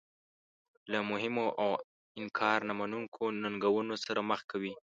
له مهمو او انکار نه منونکو ننګونو سره مخ کوي.